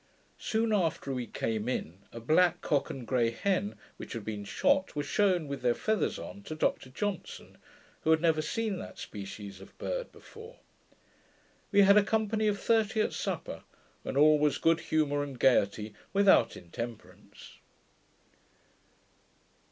Soon after we came in, a black cock and grey hen, which had been shot, were shewn, with their feathers on, to Dr Johnson, who had never seen that species of bird before. We had a company of thirty at supper; and all was good humour and gaiety, without intemperance.